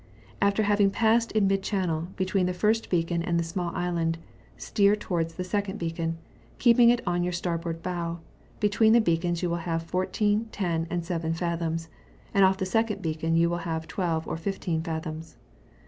After having passed in mid channel, between the first beax^on and the small island, steer towards the second beacon, keeping it open onyour starboard bow : between the beacons you will have 14, 10, and 7 fathoms; and off the second beacon you wUl have 12 or 15 fathoms.